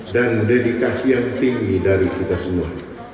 dedikasi yang tinggi dari kita semua